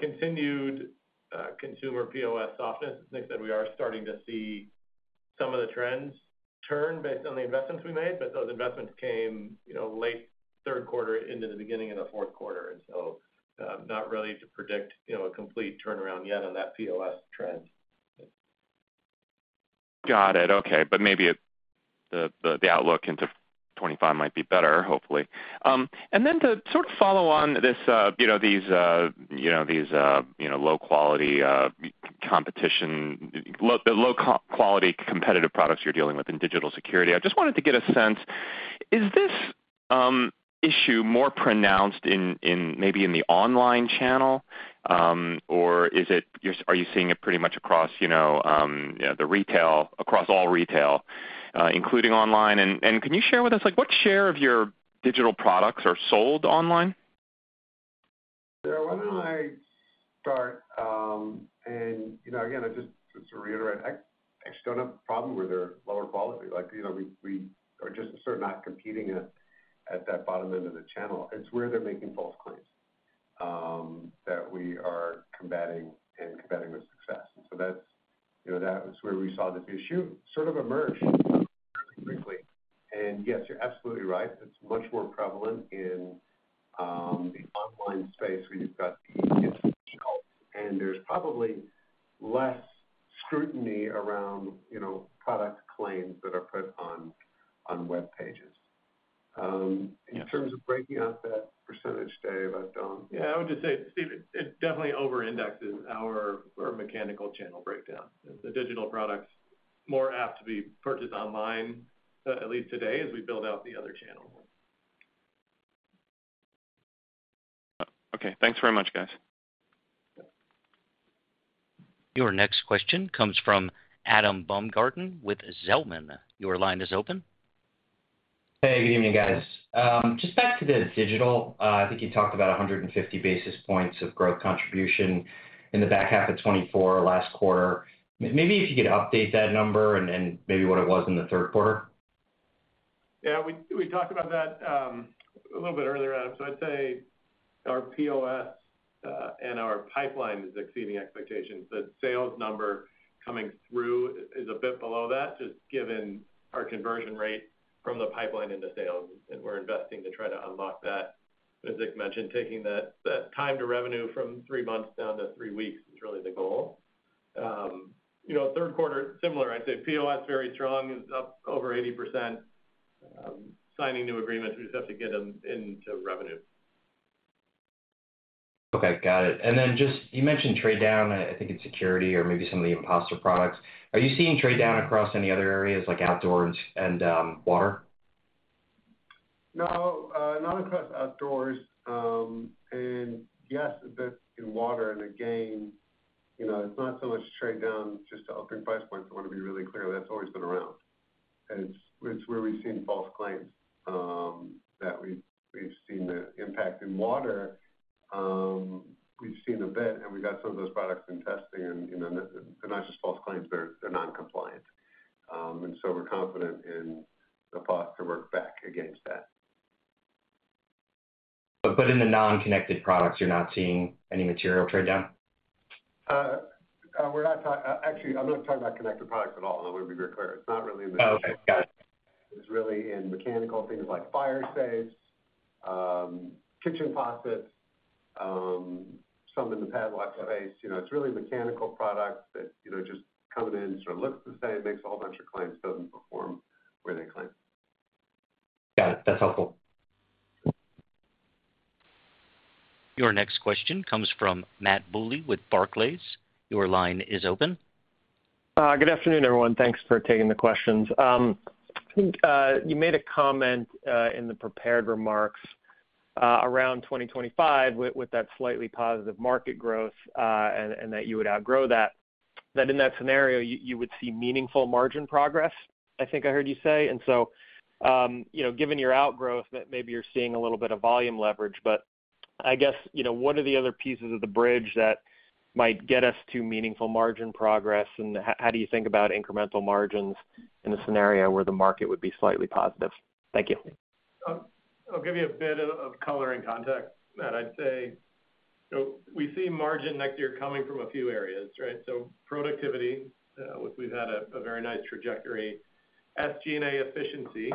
continued consumer POS softness. As Nick said, we are starting to see some of the trends turn based on the investments we made, but those investments came late third quarter, into the beginning of the fourth quarter. And so not ready to predict a complete turnaround yet on that POS trend. Got it. Okay. But maybe the outlook into 2025 might be better, hopefully. Then to sort of follow on these low-quality competition, low-quality competitive products you're dealing with in digital security, I just wanted to get a sense. Is this issue more pronounced maybe in the online channel, or are you seeing it pretty much across the retail, across all retail, including online? Can you share with us what share of your digital products are sold online? Sure, why don't I start? Again, just to reiterate, I actually don't have a problem where they're lower quality. We are just sort of not competing at that bottom end of the channel. It's where they're making false claims that we are combating and combating with success. So that's where we saw this issue sort of emerge quickly. Yes, you're absolutely right. It's much more prevalent in the online space where you've got the infrastructure. There's probably less scrutiny around product claims that are put on web pages. In terms of breaking out that percentage, Dave, I don't. Yeah. I would just say, Steve, it definitely over-indexes our mechanical channel breakdown. The digital products are more apt to be purchased online, at least today, as we build out the other channels. Okay. Thanks very much, guys. Your next question comes from Adam Baumgarten with Zelman. Your line is open. Hey, good evening, guys. Just back to the digital. I think you talked about 150 basis points of growth contribution in the back half of 2024, last quarter. Maybe if you could update that number and maybe what it was in the third quarter. Yeah. We talked about that a little bit earlier, Adam. So I'd say our POS and our pipeline is exceeding expectations. The sales number coming through is a bit below that, just given our conversion rate from the pipeline into sales. And we're investing to try to unlock that. As Nick mentioned, taking that time to revenue from three months down to three weeks is really the goal. Third quarter, similar. I'd say POS very strong, is up over 80%. Signing new agreements, we just have to get them into revenue. Okay. Got it. And then just you mentioned trade down, I think, in Security or maybe some of the impostor products. Are you seeing trade down across any other areas like Outdoors and Water? No, not across Outdoors. And yes, a bit in Water. And again, it's not so much trade down just to open price points. I want to be really clear. That's always been around. It's where we've seen false claims that we've seen the impact in Water. We've seen a bit, and we got some of those products in testing. And they're not just false claims. They're non-compliant. And so we're confident in the faucet to work back against that. But in the non-connected products, you're not seeing any material trade down? Actually, I'm not talking about connected products at all. And I want to be very clear. It's not really in the. Oh, okay. Got it. It's really in mechanical things like fire safes, kitchen faucets, some in the padlock space. It's really mechanical products that just come in, sort of look the same, make a whole bunch of claims, doesn't perform where they claim. Got it. That's helpful. Your next question comes from Matthew Bouley with Barclays. Your line is open. Good afternoon, everyone. Thanks for taking the questions. I think you made a comment in the prepared remarks around 2025 with that slightly positive market growth and that you would outgrow that. That in that scenario, you would see meaningful margin progress, I think I heard you say, and so given your outgrowth, that maybe you're seeing a little bit of volume leverage. But I guess, what are the other pieces of the bridge that might get us to meaningful margin progress? And how do you think about incremental margins in a scenario where the market would be slightly positive? Thank you. I'll give you a bit of color and context, and I'd say we see margin next year coming from a few areas, right, so productivity, which we've had a very nice trajectory. SG&A efficiency,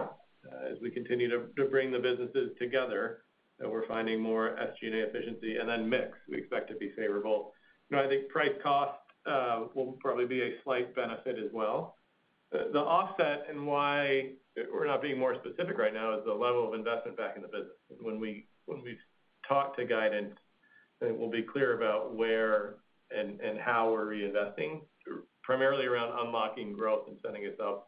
as we continue to bring the businesses together, we're finding more SG&A efficiency. And then mix, we expect to be favorable. I think price cost will probably be a slight benefit as well. The offset and why we're not being more specific right now is the level of investment back in the business. When we talk to guidance, I think we'll be clear about where and how we're reinvesting, primarily around unlocking growth and setting us up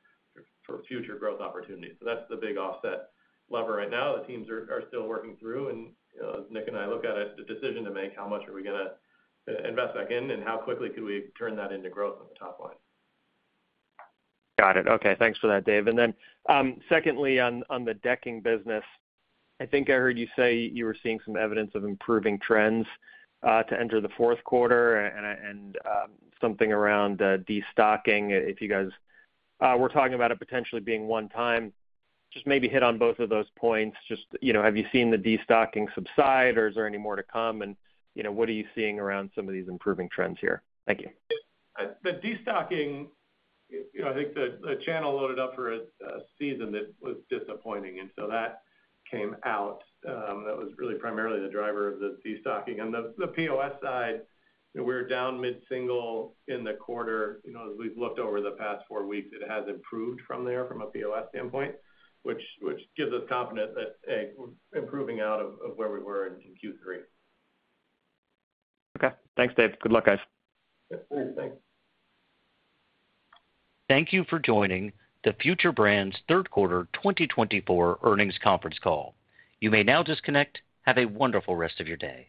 for future growth opportunities. So that's the big offset lever right now. The teams are still working through. And as Nick and I look at it, the decision to make how much are we going to invest back in and how quickly could we turn that into growth on the top line. Got it. Okay. Thanks for that, Dave. And then secondly, on the decking business, I think I heard you say you were seeing some evidence of improving trends to enter the fourth quarter and something around destocking. If you guys were talking about it potentially being one time, just maybe hit on both of those points. Just have you seen the destocking subside, or is there any more to come? And what are you seeing around some of these improving trends here? Thank you. The destocking, I think the channel loaded up for a season that was disappointing. And so that came out. That was really primarily the driver of the destocking. On the POS side, we're down mid-single in the quarter. As we've looked over the past four weeks, it has improved from there from a POS standpoint, which gives us confidence that we're improving out of where we were in Q3. Okay. Thanks, Dave. Good luck, guys. Thanks. Thank you for joining the Fortune Brands Third Quarter 2024 Earnings Conference Call. You may now disconnect. Have a wonderful rest of your day.